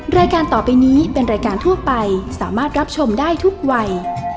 รายการต่อไปนี้เป็นรายการทั่วไปสามารถรับชมได้ทุกวัย